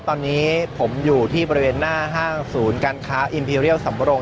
ตอนนี้ผมอยู่ที่บริเวณหน้าห้างศูนย์การค้าอินพีเรียลสำรง